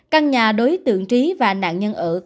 căn nhà đối tượng trí và nạn nhân ở